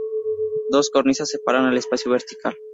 Dos cornisas separan el espacio vertical.